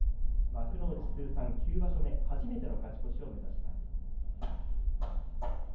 幕内通算９場所目初めての勝ち越しを目指します。